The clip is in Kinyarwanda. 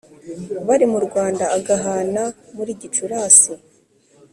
bari mu rwanda agahana muri gicurasi